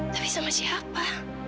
tapi sama siapa